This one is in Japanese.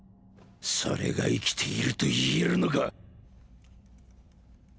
それが生きていると言えるのか？